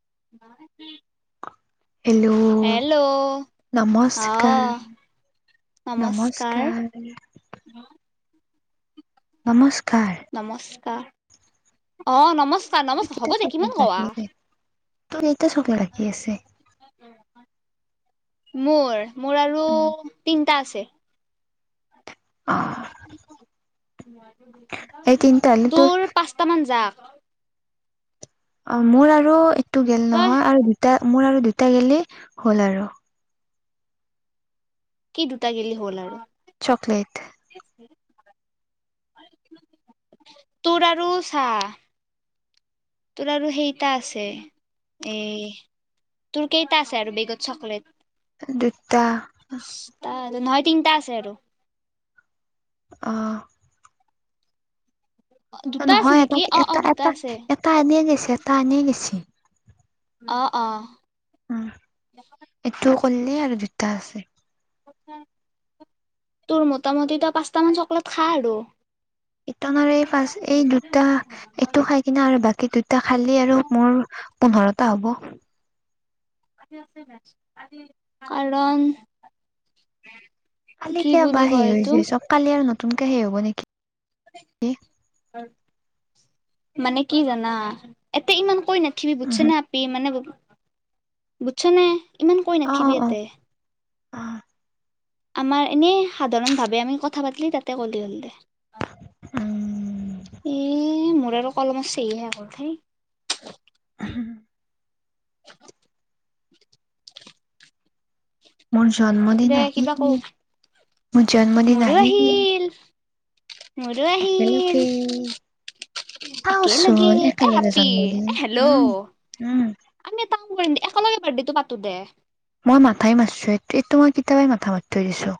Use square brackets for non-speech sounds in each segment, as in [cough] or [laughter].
ব [inaudible] hello, hello অ নমস্কাৰ নমস্কাৰ নমস্কাৰ নমস্কাৰ নমস্কাৰ অ নমস চা নমচ হ'ব দে কিমান কোৱা তোন চকে [unintelligible] লাগি আছে মোৰ মোৰ আৰু তিনটা আছে অ এই তিনিটা [unintelligible] হ'লে তোৰ পাঁচটামান যাক অ', মোৰ আৰু এইটো গেল তই নহয়, আৰু দুটা-মোৰ আৰু দুট তে গে'লি, হ'ল আৰু। কি দুটা গে'লি হ'ল আৰু? চকলেট তোৰ আৰু চা তোৰ আৰু হেৰিটা আছে, এই, তোৰ কেইটা আছে আৰু বেগত চকলেট? দুটা নহয়, তিনিটা আছে আৰু। অ'। দুটা আছে নহয়, নেকি অ অ দুটা আছে অ এটা-এটা-এটা-এটা এনেই গেইছি এটা এনেই গেইছি। অ' অ'। উম, এইটো কৰিলে আৰু দুটা আছে। তোৰ মোটামুটি তই পাঁচটামান চকলেট খা আৰু। ইটনৰে আৰু এই ফাছ এই দুটা, এইটো খাই কিনে আৰু বাকী দুটা খাইলী আৰু মোৰ পোন্ধৰ টা হ'ব। কাৰণ কালি কি কিয় বুলি বা সে কয় হৈ এইটো যায় চব কালি আৰু ন নতুকে হব নেকি? [unintelligible] মানে কি জানা, এতে ইমান ঐ [unintelligible] বুজচা উহু না আপি মানে বুজছানে? ইমান কৈ অ অ নাথকিবি অ এতে। অ', আমাৰ এনেই, সাধাৰণ ভাৱে আমি কথা পাতলে তাতে ক'লে হ'ল দে। এ [unintelligible] [unintelligible] [unintelligible] [unintelligible] মোৰ জন্মদিন দে কিবা আহিল, কও মোৰ জন্মদিন আহিল, মোৰো আহিল একেলগে, একেলগে চাওঁচোন এ একেলগে আপি এ জন্মদিন, হেল্ল' উম, উম। [unintelligible] একেলগে বাৰ্থডেটো পাতো দে। মই মাথাই মাৰছো, এইটো মই কেতিয়াবাই মাথা মাৰি থৈ দিছোঁ।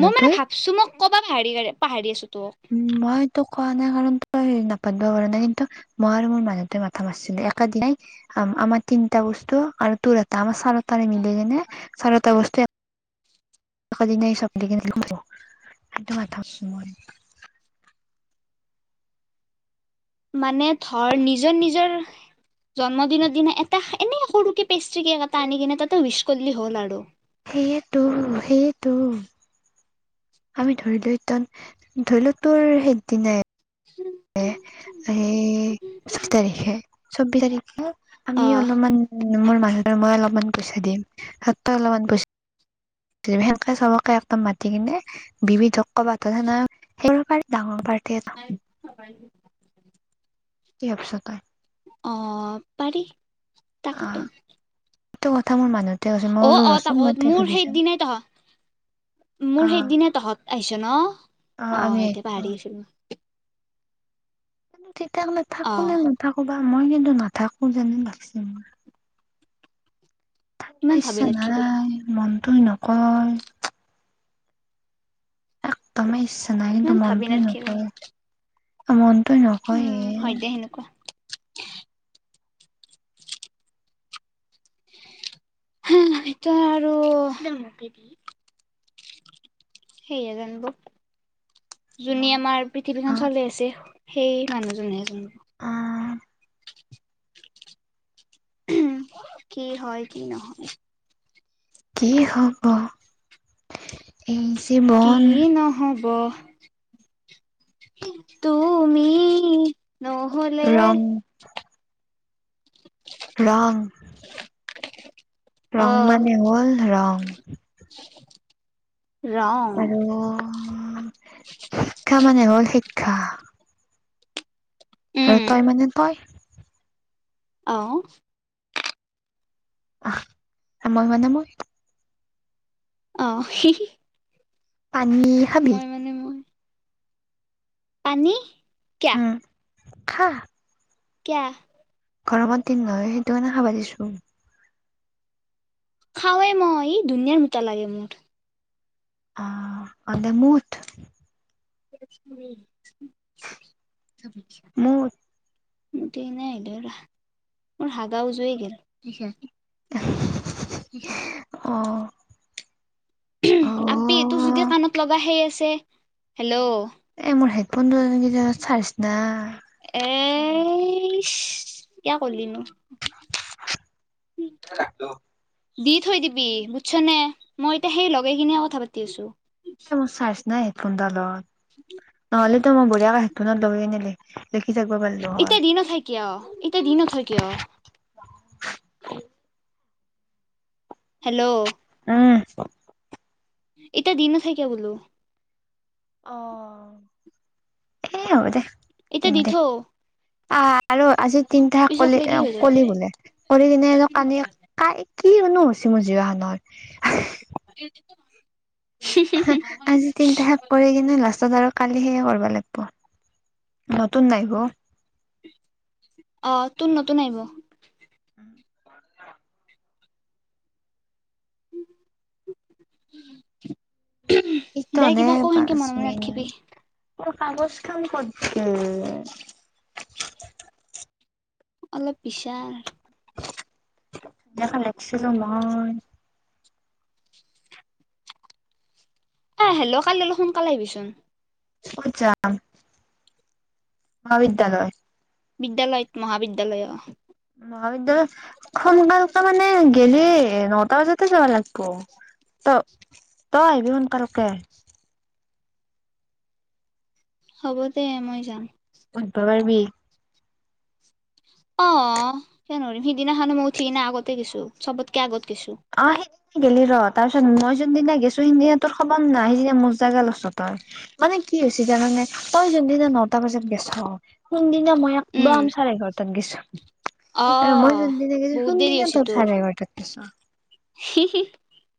মই মানে ভাবছো, মই ক'বা পাহাৰি পাহাৰি আছো তোক। উম, মই তোক কোৱা নাই কাৰণ, তই নাপাতব' পাৰা না, কিন্তু মই আৰু মোৰ মানুহটোৱে মাথা মাৰছিলো, একে দিনাই, আম আমাৰ তিনিটা বস্তু আৰু তোৰ এটা আমাৰ চাৰি টাৰে মিলি কেনে চাৰিটা বস্তু এক কেদিনাই চপ [unintelligible] সেইটো মাথা মাৰছোঁ মই। মানে ধৰ, নিজৰ নিজৰ জন্মদিনৰ দিনা, এটা এনে সৰুকে পেষ্ট্ৰি কেক এটা আনি কেনে, তাতে উইচ কৰিলে হ'ল আৰু। সেয়েটো, সেয়ে টো আমি ধৰি লই তই, ধৰি ল তোৰ সেই দিনাই এ, এই, অ', শাত তাৰিখে। ছৌবিছ তাৰিখে। আমি অলপমান, মোৰ মানুহটো আৰু মই অলপমান পইচা দিম, সাতটা লগত [unintelligible] সেনকে চবকে একদম মাতি কিনে, বিবিধক [unintelligible] ডাঙৰ পাৰ [unintelligible] কি ভাৱছ তই? অ', পাৰি। অ তাকেতো। এইটো কথা মোৰ মা অ', অ', তাকো মোৰ সেই দিনে তহঁত, অ মোৰ সেই দিনে তহঁত আহিছ ন? আমি অ', এতিয়া আহিছো পাহাৰি আছিলো। [inaudible] তেতিয়াহ'লে থাকো অ', নে নাথাকো বা। মই কিন্তু নাথাকো যেনেই লাগছে মোৰ। তাত, ইমান ভাবি পাইছা না, নাথকিবি মন তই নকয় একদমেই ইচ নাই কিন্তু ইমান ভাবি মনটোৱে নাথকিবি নকয়। আমন তই উম, নকয়ে হয় দে সেনেকুৱা। হা সটো আৰু সিহে যানিব। যোনী মন আমাৰ অ পৃথিৱীখন চলাই আছে। সেই মানুহজনে হে যানিব। অ উম, কি হ'ল কি নহ'ল। কি হব? এই কি জীৱন নহ'ব তুমি নহ'লে ৰং [unintelligible] ৰং অ', মানে হ'ল ৰং। ৰং। আৰু শিক্ষা মানে হ'ল শিক্ষা। উম, আৰু তই মানে তই। অহ। আহ মই মানে মই। অহ। পানী খাবি? পানী কিয়া উম খা কিয়া? গৰমত দিন নহয় সেইটো কাৰণে খাবা দিছোঁ। খাৱে মই ই দুনীয়াৰ মুতা লাগে মোৰ। আহ অ' দে মুত। ব [inaudible] া [inaudible] মুঠ মুক্তি কানে আহলো ৰহ মোৰ হাগা উজই গেল। কিছা [inaudible] অ' অ'। আপি তোৰ যদি কাণত লগা হেই আছে হেল্ল'? এ মোৰ হেডফোনটো এই খিনি জাগাত চাৰ্জ নাই। এছ কিয়া কৰলি নো? টো। [unintelligible] দি থৈ দিবি বুজছ নে? মই এতিয়া সেই লগাই কিনে কথা পাতি আছোঁ। ফোন ডালত। উ [inaudible] নহ'লে টো মই বঢ়িয়াকে হেড ফোনত লগাই কিনে লিখ লিখা এতিয়া দি নথই কিয়, এতিয়া দি নথই কিয়? হেল্ল'? উম এতিয়া দি নথয় কিয় বোলো? অ, এ হব দে। এতিয়া দি থো। আ আৰু আজি তিনিটা শেষ কলি, হৈ যাব কলি বোলে, কৰি কিনে কালি কাই কিনো হৈছে মোৰ জিভাখনত? [unintelligible] আজি তিনটা শেষ কৰি কিনে লাষ্টত আৰু কালি সেই কৰিব লাগিব, নতুন নাহিব? অ, তোৰ নতুন আহিব। উম। [inaudible] দে ইতনে কিবা ক, সেনকে পাঁচ মনে মনে মিনিট নাথাকিবি। কাগজখন ক'ত গেল? অলপ বিচাৰ। এখন লিখিছিলো মই। এ হেল্ল' কালি অলপ সোনকালে আহিবিচোন। ক'ত জাম মহাবিদ্যালয়। বিদ্যালয়ত, মহাবিদ্যালয়, অ। মহাবিদ্যালয়ত সোনকালকে মানে গেলি, নটা বজাতে যাব লাগব। তই, তই আহিবি সোনকালকে। হ'ব দে মই যাম। উঠব পাৰবি। অ' কিয় নৰিম, সিদিনাখনে মই উঠি কিনে আগতে গেছো, চবতকে আগত। গেছো অঁ সেই গেলি ৰ, তাৰ পিছত মই যোনদিনা গেছো, সেইদিনা তোৰ খবৰ নাই, সিদিনা মোৰ জাগা লৈছ তই, মানে কি হৈছে জানানে, তই যোনদিনা নটা বজাত গেছ সেইদিনা, মই উম একদম চাৰে এঘৰটাত গৈছো। অ [inaudible] আৰু মই যোনদিনা গেছো, বহুত দেৰি সুন্দিনা হৈছে তই, তোৰ চাৰে এঘাৰটাত গেছ। [unintelligible]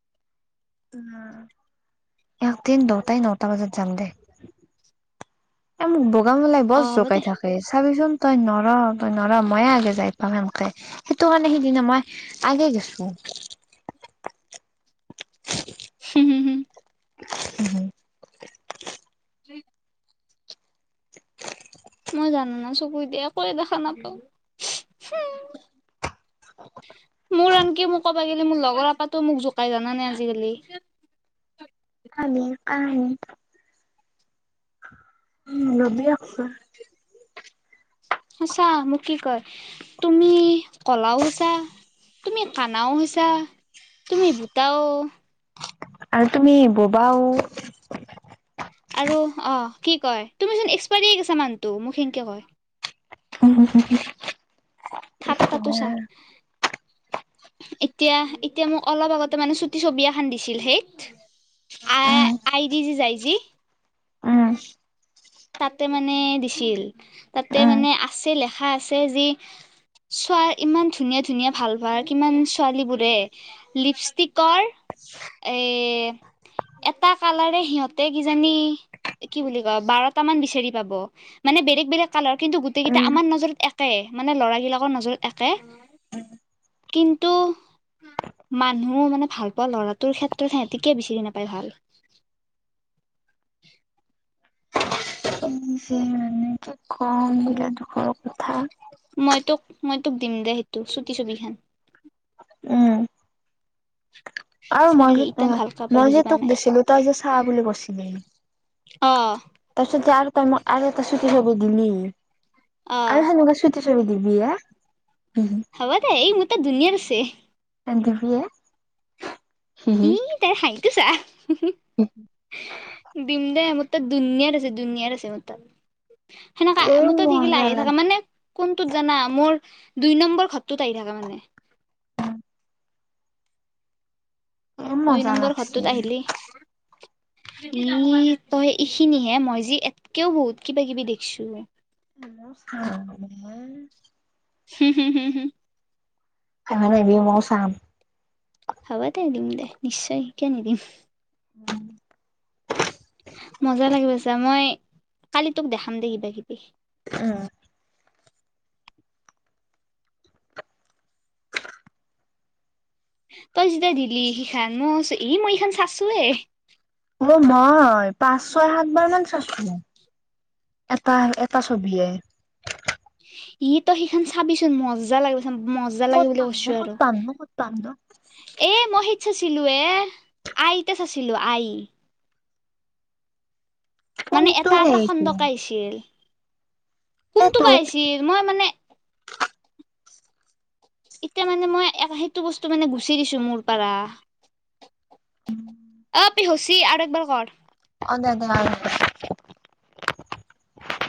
উম্, একদিন দটাই নটা বজাত যাম দে, এ, মোক [unintelligible] বৰ অ হ'ব জোকাই দে থাকে চাবিচোন। তই নৰ, তই নৰ, ময়ে আগে যাই পাম সেনকে, সেইটো কাৰণে সিদিনা মই আগে গেছো। [unintelligible] [inaudible] [inaudible] মই জানো ন, চকুদি একোৱে দেখা নাপাও। মোৰ আনকি, মোৰ ক লাগিলে মোৰ লগৰৰ আপাটো মোক জোকাই জানা নাই আজিকালি। [unintelligible] উম লবি একশ। সঁচা মোক কি কয়, তুমি কলাও হৈছা তুমি কানাও হৈছা তুমি ভূটাও। আৰু তুমি বোবাও। আৰু অ কি কয় তুমিচোন এক্সপাইৰি হৈ গৈছা মানুহটো মোক সেনকে কয়। [unintelligible] ঠাট্টাতো চা। এতিয়া- এতিয়া মোক অলপ আগতে মানে চুটি ছবি এখন দিছিল সেইত আ আই দি যি যাই জি। উম। তাতে মানে দিছিল, তাতে উম মানে আছে লেখা আছে যি চ ইমান ধুনীয়া- ধুনীয়া ভাল ভাল কিমান ছোৱালীবোৰে লিপষ্টিকৰ এ এটা কালাৰে সিহঁতে কিজানি কি বুলি কয় বাৰ টা মান বিচাৰি পাব, মানে বেলেগ-বেলেগ কালাৰ কিন্তু গোটেকেইটা উম আমাৰ নজৰত এটাই মানে ল'ৰাবিলাকৰ নজৰত একে, কিন্তু মানুহ মানে ভাল পোৱা ল'ৰাটোৰ ক্ষেত্ৰত সিহঁতিকে বিচাৰি নাপায় ভাল। কিযে মানে কি কম এইবিলাক দুখৰ কথা। মই তোক মই তোক দিম দে সেইটো ছুটি ছবি খন। উম। আৰু মই চাবি যে ইটান অ ভালকে পাই মই বুজি যে পোৱা তোক নাই দিছিলো তই যে চাৱা বুলি কৈছিলি অ'। তাৰপিছত যে আৰু তই মোক আৰু এটা চুটি ছবি দিলি অ আৰু সেনেকুৱা চুটি ছবি দিবি হা। হবদে এই মোৰ তাত দুনিয়াৰ আছে। [unintelligible] ই তাৰ হাঁহি। কিছা। দিম দে মোৰ তাত দুুনিয়াত আছে দুুনিয়াতৰ আছে মোৰ তাত। সেনেকা মোৰ তাত শিকিলে আহি থাকে মানে। কোনটোত জানা মোৰ দুই নম্বৰ ঘতটোত আহি থাকে মানে। দুই নম্বৰ ঘততোত আহিলি। উ তই এইখিনিহে মই যে এটকেও বহুত কিবা কিবি দেখিছো। [unintelligible] হুম হুম হুম হুম। চাম হব দে, দিম দে, নিশ্চয় কিয় নিদিম। [unintelligible] মজা লাগিব ছা মই কালি তোক দেখাম দে কিবা কিবি। ও, তই যেতিয়া দিলি সিখান মই কছো ই, মই ইখান চাইছোএই। অ, মই পাছ ছয় সাতবাৰ মান চাচ্চো এটা -এটা ছবিয়ে। ই, তই সিখন চাবিচোন মজা লাগে। মজা লাগে ক'ত বুলি পাম নো কৈছো ক'ত আৰু পাম নো ক'ত পাম নো এ, মই হে। [unintelligible] ওৱে, আইতে চাছিলো আই। মানে কোনটো এটা-এটা সেইটো খণ্ডকে আইছিল। কোনটো সেইটো বা আইছিল মই মানে এতিয়া মানে মই সেইটো বস্তু মানে [unintelligible] মোৰ পাৰা। [inaudible] কপি হচি, আৰু একবাৰ কৰ। অ' [unintelligible]